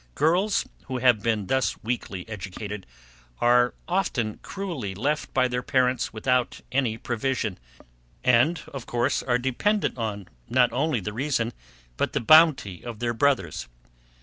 Girls, who have been thus weakly educated, are often cruelly left by their parents without any provision; and, of course, are dependent on, not only the reason, but the bounty of their brothers.